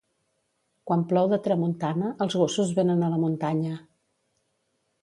Quan plou de tramuntana, els gossos venen a la muntanya.